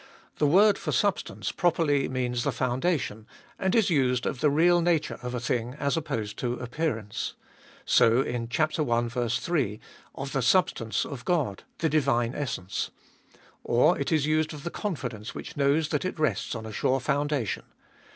The word for substance properly means the foundation, and is used of the real nature of a thing as opposed to appearance. So, in chap. i. 3, of the substance of God, the divine essence. Or it is used of the confidence which knows that it rests on a sure foundation.